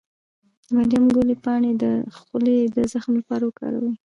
د مریم ګلي پاڼې د خولې د زخم لپاره وکاروئ